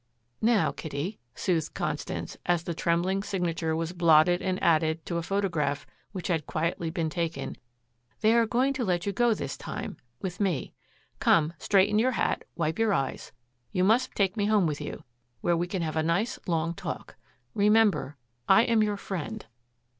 "Now, Kitty," soothed Constance, as the trembling signature was blotted and added to a photograph which had quietly been taken, "they are going to let you go this time with me. Come, straighten your hat, wipe your eyes. You must take me home with you where we can have a nice long talk. Remember, I am your friend."